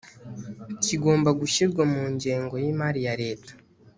kigomba gushyirwa mu ngengo y imari ya leta